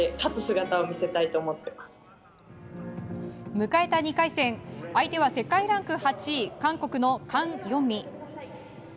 迎えた２回戦相手は世界ランク８位韓国のカン・ヨンミ。